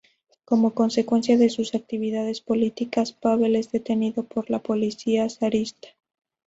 Como consecuencia de sus actividades políticas, Pável es detenido por la policía zarista.